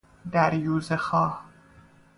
دریوزه خواه